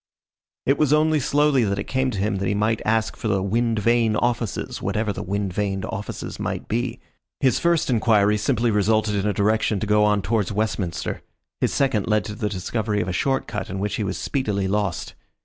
It was only slowly that it came to him that he might ask for the "wind vane offices" whatever the "wind vane offices" might be. His first enquiry simply resulted in a direction to go on towards Westminster. His second led to the discovery of a short cut in which he was speedily lost.